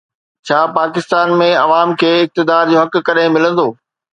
ڇا پاڪستان ۾ عوام کي اقتدار جو حق ڪڏهن ملندو؟